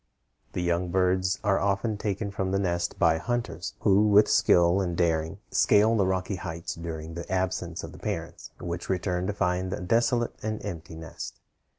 The young birds are often taken from the nest by hunters, who with skill and daring scale the rocky heights during the absence of the parents, which return to find a desolate and empty nest.